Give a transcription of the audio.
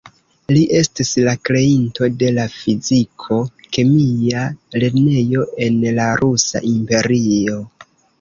Li estis la kreinto de la fiziko-kemia lernejo en la Rusa Imperio.